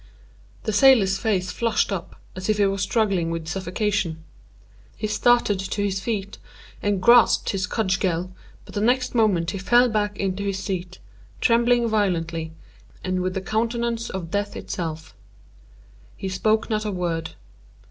The sailor's face flushed up as if he were struggling with suffocation. He started to his feet and grasped his cudgel, but the next moment he fell back into his seat, trembling violently, and with the countenance of death itself. He spoke not a word.